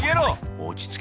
落ち着け。